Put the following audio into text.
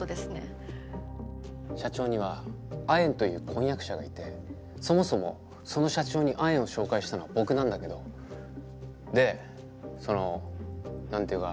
社長にはアエンという婚約者がいてそもそもその社長にアエンを紹介したのは僕なんだけどでその何て言うか。